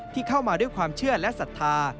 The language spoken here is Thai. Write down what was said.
ที่เข้ามาด้วยความเชื่อและศรัทธา